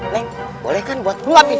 neng boleh kan buat neng lilis